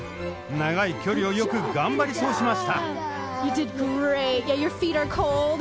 長い距離をよく頑張り通しました。